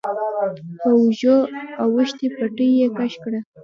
په اوږو اوښتې پټۍ يې کش کړه.